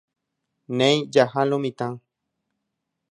Néi, jaha lo mitã.